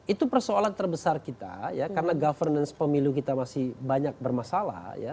itu persoalan terbesar kita ya karena governance pemilu kita masih banyak bermasalah ya